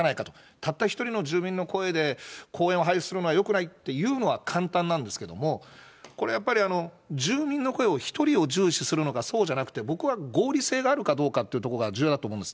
たった一人の住民の声で公園を廃止するのはよくないって言うのは簡単なんですけれども、これやっぱり、住民の声を１人を重視するのか、そうじゃなくて、僕は合理性があるかどうかというのが重要だと思うんです。